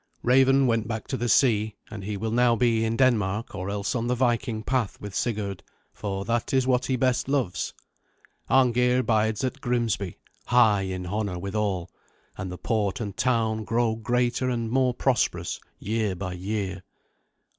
Raven went back to the sea, and he will now be in Denmark or else on the Viking path with Sigurd, for that is what he best loves. Arngeir bides at Grimsby, high in honour with all, and the port and town grow greater and more prosperous year by year.